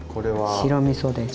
白みそです。